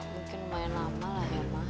mungkin lumayan lama lah ya ma